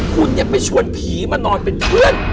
คุณเนี่ยไปชวนผีมานอนเป็นเพื่อน